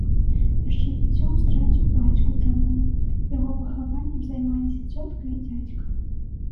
Яшчэ дзіцем страціў бацьку, таму яго выхаваннем займаліся цётка і дзядзька.